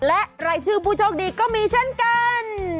และรายชื่อผู้โชคดีก็มีเช่นกัน